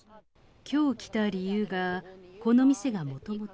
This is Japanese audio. きょう来た理由が、この店がもともと。